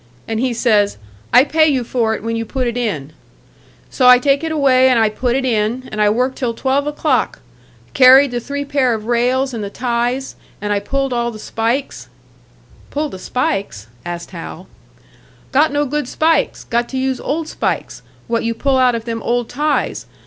And he says, 'I pay you for it when you put it in.' So I take it away and I put it in, and I work till twelve o'clock. Carried the three pair of rails and the ties, and I pulled all the spikes " "Pulled the spikes?" asked Hal. "Got no good spikes. Got to use old spikes, what you pull out of them old ties.